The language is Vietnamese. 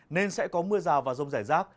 nên sẽ có mưa rào và rông giải rác